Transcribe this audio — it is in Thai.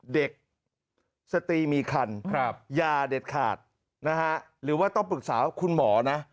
สตรีมีคันอย่าเด็ดขาดนะฮะหรือว่าต้องปรึกษาคุณหมอนะ